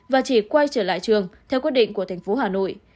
và chỉ quay trở lại trường theo quyết định của tp hà nội